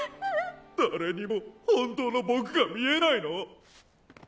誰にも本当の僕が見えないの？